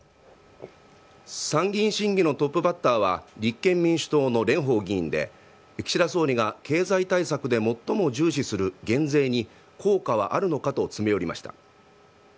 参議院審議のトップバッターは、立憲民主党の蓮舫議員で、岸田総理が経済対策で最も重視する減税に、効果はあるのかと詰め寄りました。